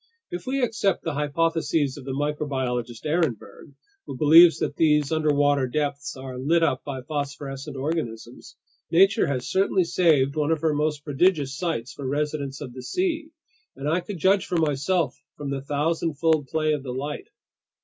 If we accept the hypotheses of the microbiologist Ehrenberg—who believes that these underwater depths are lit up by phosphorescent organisms—nature has certainly saved one of her most prodigious sights for residents of the sea, and I could judge for myself from the thousandfold play of the light.